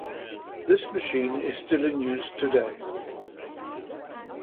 This machine is still in use today.